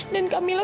dan kak mila